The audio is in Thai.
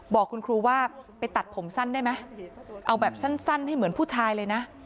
บอกคุณครูว่าไปตัดผมสั้นได้ไหมเอาแบบสั้นให้เหมือนผู้ชายเลยนะ